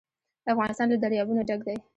افغانستان له دریابونه ډک دی.